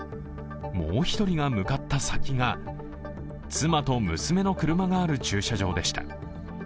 もう一人が向かった先が妻と娘の車がある駐車場でした。